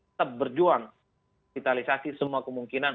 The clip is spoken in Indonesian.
tetap berjuang digitalisasi semua kemungkinan